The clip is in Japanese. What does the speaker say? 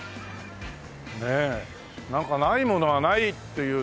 ねえなんかないものがないっていうとこ。